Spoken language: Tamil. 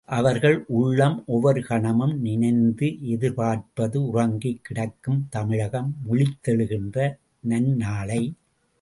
அவர்கள் உள்ளம் ஒவ்வொரு கணமும் நினைந்து எதிர்பார்ப்பது உறங்கிக் கிடக்கும் தமிழகம் விழித்தெழுகின்ற நன் நாளை.